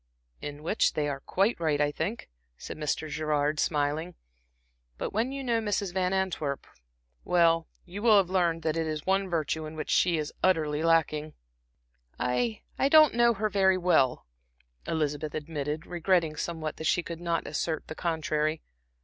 "In which they are quite right, I think," said Mr. Gerard, smiling. "But when you know Mrs. Van Antwerp well, you will have learned that it is the one virtue in which she is utterly lacking." "I I don't know her very well," Elizabeth admitted, regretting somewhat that she could not assert the contrary.